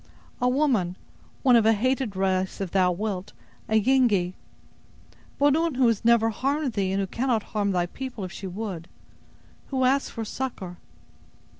"A woman. One of a hated race, if thou wilt—a Yengee. But one who has never harmed thee, and who cannot harm thy people, if she would; who asks for succor."